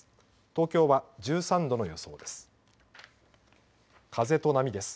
東京は１３度の予想です。